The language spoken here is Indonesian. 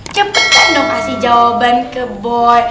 cepetan dong kasih jawaban ke boi